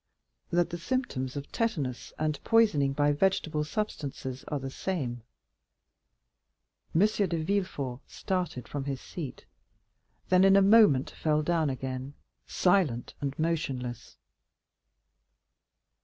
"That the symptoms of tetanus and poisoning by vegetable substances are the same." M. de Villefort started from his seat, then in a moment fell down again, silent and motionless.